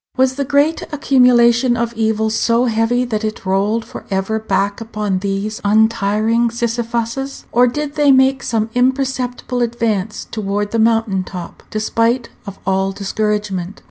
Was the great accumulation of evil so heavy that it rolled for ever back upon these untiring Sisyphuses? Or did they make some imperceptible advance toward the mountain top, despite of all discouragement?